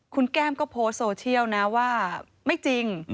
คุณแก้มก็โพสต์โซเชียลนะว่าไม่จริง